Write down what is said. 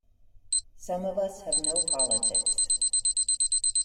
Some of us have no politics.